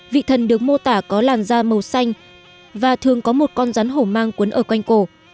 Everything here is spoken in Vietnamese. vị thần được mô tả có làn da màu xanh và thường có một con rắn hổ mang cuốn ở quanh cổ